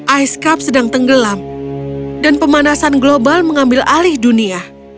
ice cup sedang tenggelam dan pemanasan global mengambil alih dunia